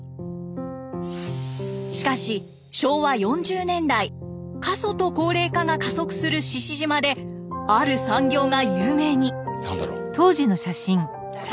しかし昭和４０年代過疎と高齢化が加速する志々島である産業が有名に。